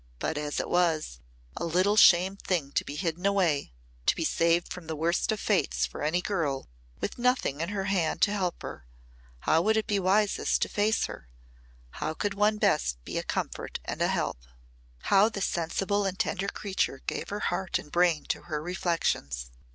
But as it was a little shamed thing to be hidden away to be saved from the worst of fates for any girl with nothing in her hand to help her how would it be wisest to face her, how could one best be a comfort and a help? How the sensible and tender creature gave her heart and brain to her reflections!